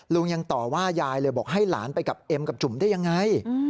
ลุงยังต่อว่ายายเลยบอกให้หลานไปกับเอ็มกับจุ่มได้ยังไง